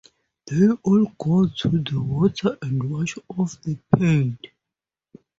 They all go to the water and wash off the paint.